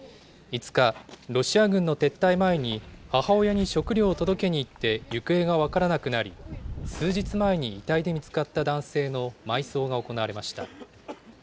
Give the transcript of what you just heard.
５日、ロシア軍の撤退前に母親に食料を届けに行って行方が分からなくなり、数日前に遺体で見つかった男性の埋葬が行われました。